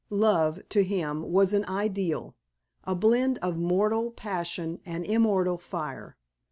Love, to him, was an ideal, a blend of mortal passion and immortal fire.